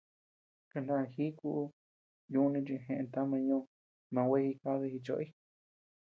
Kaná jíku yuni chi jeʼë tama ñó, man gua jidadi jichoʼoy.